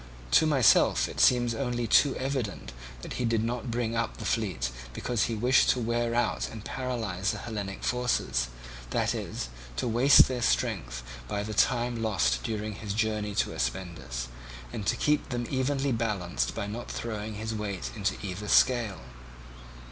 To myself it seems only too evident that he did not bring up the fleet because he wished to wear out and paralyse the Hellenic forces, that is, to waste their strength by the time lost during his journey to Aspendus, and to keep them evenly balanced by not throwing his weight into either scale.